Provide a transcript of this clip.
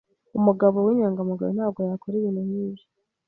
Umugabo w'inyangamugayo ntabwo yakora ibintu nkibyo.